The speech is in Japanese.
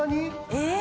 えっ！